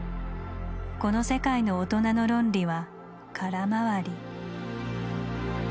この世界の「大人の論理」は空回り。